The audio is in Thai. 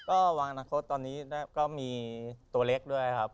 ก็วางอนาคตตอนนี้ก็มีตัวเล็กด้วยครับ